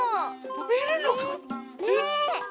とべるのかな？